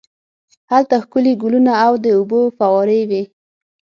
هلته ښکلي ګلونه او د اوبو فوارې وې.